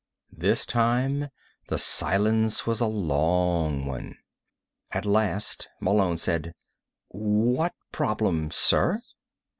This time, the silence was a long one. At last, Malone said: "What problem, sir?"